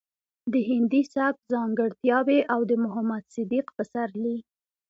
د هندي سبک ځانګړټياوې او د محمد صديق پسرلي